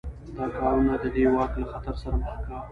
دا کارونه د ده واک له خطر سره مخ کاوه.